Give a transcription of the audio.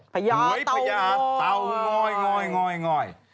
ภัยาเตาง้อย